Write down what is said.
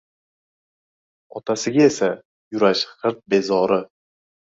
Otasiga esa: – Yurash – gʻirt bezori.